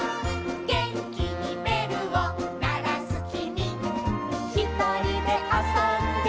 「げんきにべるをならすきみ」「ひとりであそんでいたぼくは」